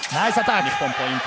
日本、ポイント。